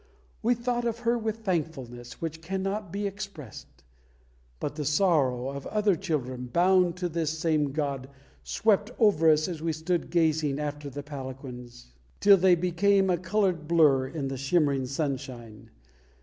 We thought of her with thankfulness which cannot be expressed; but the sorrow of other children bound to this same god swept over us as we stood gazing after the palanquins, till they became a coloured blur in the shimmering sunshine.